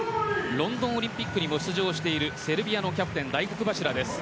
ロンドンオリンピックにも出場しているセルビアのキャプテン大黒柱です。